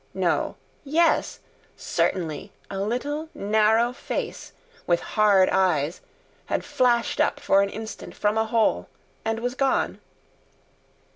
—no!—yes! certainly a little narrow face, with hard eyes, had flashed up for an instant from a hole, and was gone.